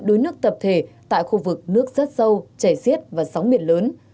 đuối nước tập thể tại khu vực nước rất sâu chảy xiết và sóng biển lớn